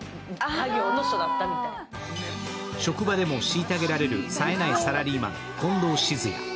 職場でも虐げられるさえないサラリーマン近藤静也。